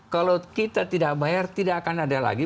kalau kita tidak bayar tidak akan ada lagi